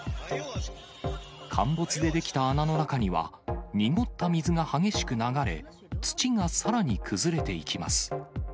陥没で出来た穴の中には、濁った水が激しく流れ、土がさらに崩れていきます。